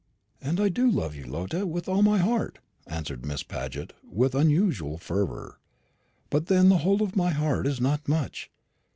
"And I do love you, Lotta, with all my heart," answered Miss Paget, with unusual fervour; "but then the whole of my heart is not much.